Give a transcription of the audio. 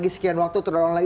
sekian waktu terdorong lagi